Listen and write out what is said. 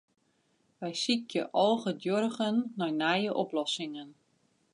Wy sykje algeduerigen nei nije oplossingen.